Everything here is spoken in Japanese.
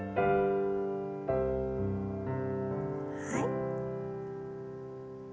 はい。